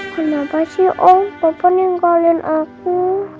kenapa sih om papa ninggalin aku